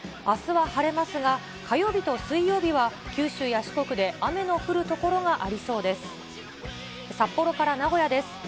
あすは晴れますが、火曜日と水曜日は九州や四国で雨の降る所がありそうです。